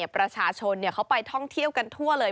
ประชาชนเขาไปท่องเที่ยวกันทั่วเลย